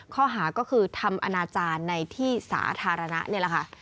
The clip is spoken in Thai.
ข้อหาก็คือทำอนาจารย์ในที่สาธารณะนี่แหละค่ะ